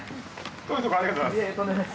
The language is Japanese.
遠い所ありがとうございます。